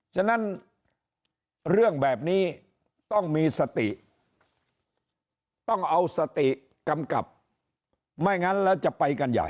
ฉะนั้นเรื่องแบบนี้ต้องมีสติต้องเอาสติกำกับไม่งั้นแล้วจะไปกันใหญ่